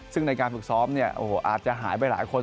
ซึ่งในการฝึกซ้อมเนี่ยโอ้โหอาจจะหายไปหลายคน